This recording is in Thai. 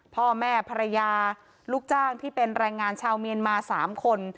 พ่อแม่ภรรยาลูกจ้างที่เป็นแรงงานชาวเมียนมา๓คน